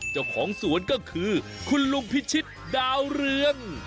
เจ้าของสวนก็คือคุณลุงพิชิตดาวเรือง